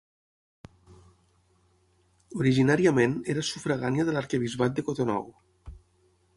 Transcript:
Originàriament era sufragània de l'arquebisbat de Cotonou.